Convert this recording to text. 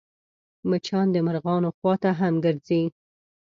مچان د مرغانو خوا ته هم ګرځي